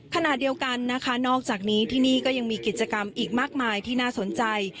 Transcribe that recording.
ขณะเดียวกันนะคะนอกจากนี้ที่นี่ก็ยังมีกิจกรรมอีกมากมายที่น่าสนใจ